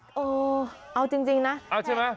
เออเอาจริงนะเอาใช่ไหม